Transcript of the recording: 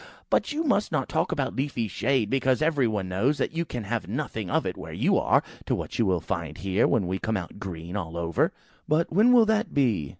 But you must not talk about leafy shade, because every one knows that you can have nothing of it where you are, to what you will find here, when we come out green all over." "But when will that be?"